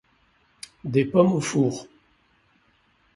Des pommes au four